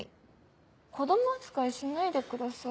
子供扱いしないでください。